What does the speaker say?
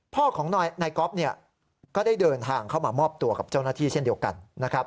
พ่อของนายก๊อฟเนี่ยก็ได้เดินทางเข้ามามอบตัวกับเจ้าหน้าที่เช่นเดียวกันนะครับ